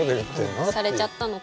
何かされちゃったのかな。